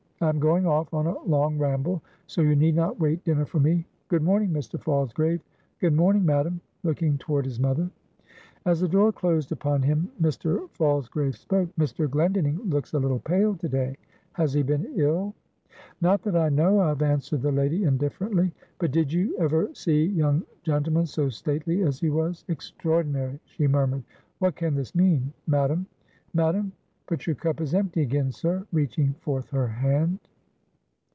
I am going off on a long ramble, so you need not wait dinner for me. Good morning, Mr. Falsgrave; good morning, Madam," looking toward his mother. As the door closed upon him, Mr. Falsgrave spoke "Mr. Glendinning looks a little pale to day: has he been ill?" "Not that I know of," answered the lady, indifferently, "but did you ever see young gentleman so stately as he was! Extraordinary!" she murmured; "what can this mean Madam Madam? But your cup is empty again, sir" reaching forth her hand.